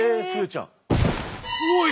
おい！